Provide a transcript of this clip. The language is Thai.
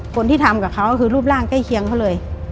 คนที่ทำกับเขาคือรูปร่างใกล้เคียงเขาเลย